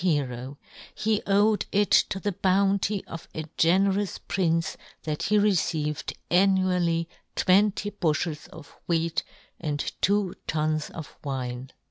hero ; he owed it to the bounty of a generous prince that he received annually twenty bufhels of wheat and two tuns of wine